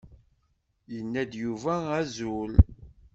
Yenna-d Yuba azul.